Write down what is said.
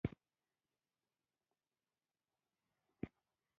• د شپې خاموشي ته کښېنه.